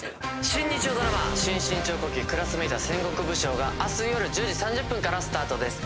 新・日曜ドラマ『新・信長公記−クラスメイトは戦国武将−』が明日よる１０時３０分からスタートです。